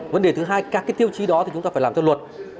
vấn đề thứ hai các cái tiêu chí đó thì chúng ta phải làm theo luật